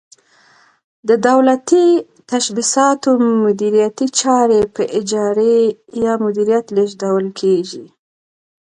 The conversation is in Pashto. د دولتي تشبثاتو مدیریتي چارې په اجارې یا مدیریت لیږدول کیږي.